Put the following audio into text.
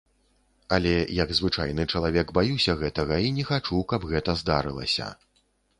Але як звычайны чалавек баюся гэтага і не хачу, каб гэта здарылася.